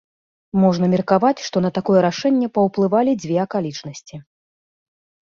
Можна меркаваць, што на такое рашэнне паўплывалі дзве акалічнасці.